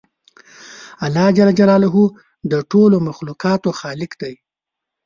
الله جل جلاله د ټولو مخلوقاتو خالق دی